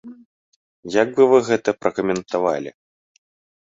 Як бы вы гэта пракаментавалі?